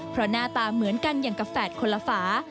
เพราะหน้าตาเหมือนกันอย่างกับแฝดคนละฝา